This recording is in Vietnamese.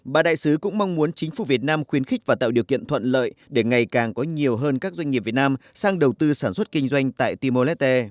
bà đại sứ cũng mong muốn chính phủ việt nam khuyến khích và tạo điều kiện thuận lợi để ngày càng có nhiều hơn các doanh nghiệp việt nam sang đầu tư sản xuất kinh doanh tại timor leste